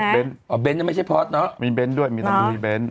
เบนท์อ๋อเบนท์ยังไม่ใช่พอร์ตเนอะมีเบนท์ด้วยมีตังค์ด้วยเบนท์